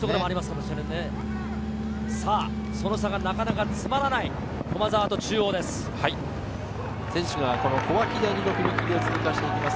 その差がなかなか詰まらない駒澤と中央です。